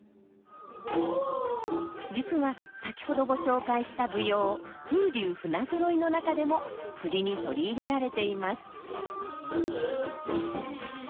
実は先ほどご紹介した舞踊「風流船揃」の中でも振りに取り入れられています。